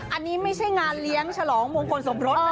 อันนี้ไม่ใช่งานเลี้ยงฉลองมงคลสมรส